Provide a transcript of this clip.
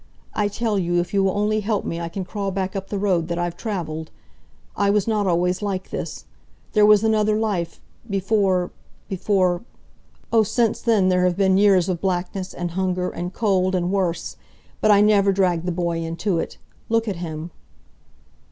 I tell you, if you will only help me I can crawl back up the road that I've traveled. I was not always like this. There was another life, before before Oh, since then there have been years of blackness, and hunger, and cold and worse! But I never dragged the boy into it. Look at him!"